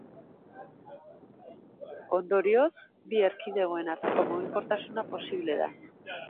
Ondorioz, bi erkidegoen arteko mugikortasuna posible da.